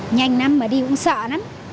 nhanh nắm mà đi cũng sợ lắm